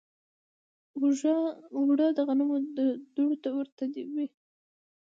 اوړه د غنمو دوړو ته ورته وي